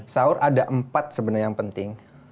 sahur ada empat sebenarnya yang penting